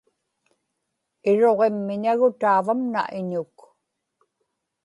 iruġimmiñagu taavamna iñuk